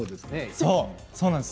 そうなんです。